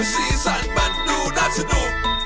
สีสันมันดูน่าสนุก